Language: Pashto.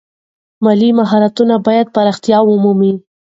مالي مهارتونه باید پراختیا ومومي.